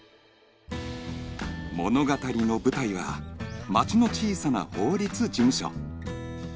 物語の舞台は町の小さな法律事務所